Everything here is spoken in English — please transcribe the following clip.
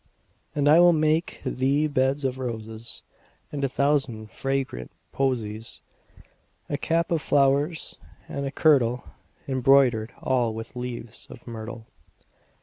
And I will make thee beds of roses And a thousand fragrant posies; 10 A cap of flowers, and a kirtle Embroider'd all with leaves of myrtle.